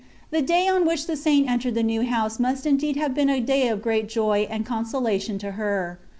The day on which the Saint entered the new house must indeed have been a day of great joy and consolation to her.